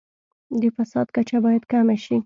د فساد کچه باید کمه شي.